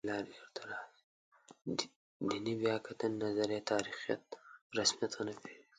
دیني بیا کتنې نظریه تاریخیت په رسمیت ونه پېژني.